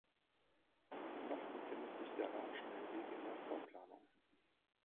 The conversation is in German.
Noch befindet sich der Radschnellweg in der Vorplanung.